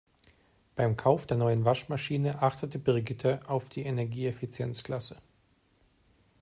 Beim Kauf der neuen Waschmaschine achtete Brigitte auf die Energieeffizienzklasse.